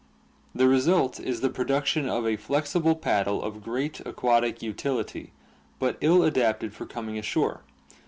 The result is the production of a flexible paddle of great aquatic utility, but ill adapted for coming ashore.